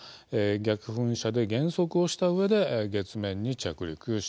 逆噴射で減速をしたうえで月面に着陸します。